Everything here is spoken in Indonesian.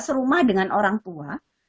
serumah dengan orang tua